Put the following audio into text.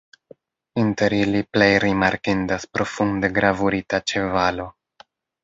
Inter ili plej rimarkindas profunde gravurita ĉevalo.